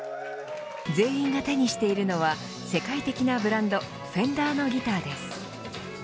全員が手にしているのは世界的なブランドフェンダーのギターです。